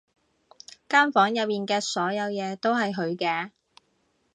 間房入面嘅所有嘢都係佢嘅